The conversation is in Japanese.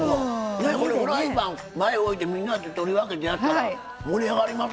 これフライパン前置いてみんなで取り分けてやったら盛り上がりますよこれ。